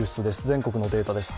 全国のデータです。